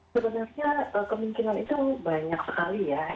sebenarnya kemungkinan itu banyak sekali ya